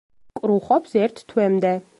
კრუხობს ერთ თვემდე.